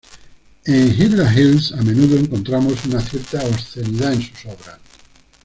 En Hilda Hilst a menudo encontramos una cierta obscenidad en su obras.